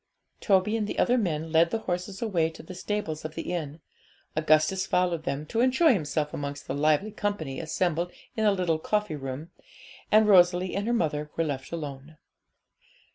Toby and the other men led the horses away to the stables of the inn; Augustus followed them, to enjoy himself amongst the lively company assembled in the little coffee room, and Rosalie and her mother were left alone.